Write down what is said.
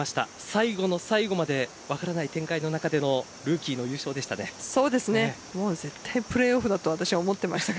最後の最後まで分からない展開の中でのルーキーの優勝でした。